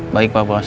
baik pak bos